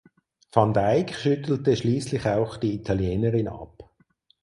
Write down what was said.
Van Dijk schüttelte schließlich auch die Italienerin ab.